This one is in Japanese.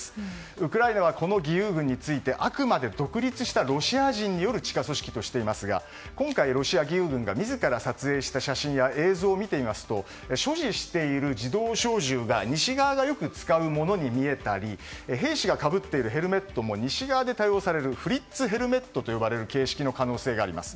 ウクライナはこの義勇軍についてあくまで独立したロシア人による地下組織としていますが今回、ロシア義勇軍が自ら撮影した写真や映像を見てみますと所持している自動小銃が西側がよく使うものに見えたり兵士がかぶっているヘルメットも、西側で対応されるフリッツヘルメットという可能性があります。